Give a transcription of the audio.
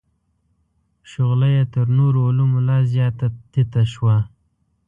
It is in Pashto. شغله یې تر نورو علومو لا زیاته تته شوه.